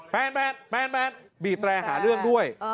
แฟนบีบแตรหาเรื่องด้วย